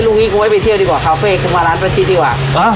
ลูกนี้กูไว้ไปเที่ยวดีกว่าคาเฟ่คือมาร้านป้าชิดดีกว่าอ่ะ